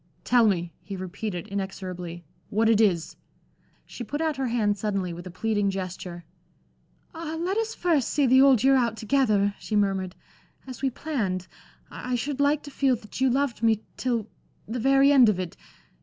"Tell me," he repeated, inexorably, "what it is." She put out her hand suddenly with a pleading gesture. "Ah, let us first see the Old Year out together," she murmured, "as we planned. I should like to feel that you loved me till the very end of it.